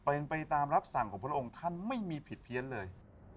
เป็นไปตามรับสั่งของพระองค์ท่านไม่มีผิดเพี้ยนเลย